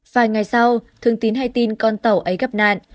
vài ngày sau thường tín hay tin con tàu ấy gặp nạn